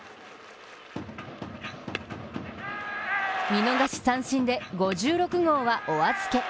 見逃し三振で５６号はお預け。